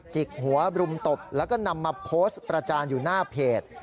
จิกหัวรุมตบแล้วก็นำมาโพสต์ประจานอยู่หน้าเพจ